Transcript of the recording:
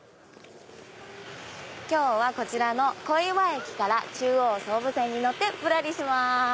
今日はこちらの小岩駅から中央・総武線に乗ってぶらりします。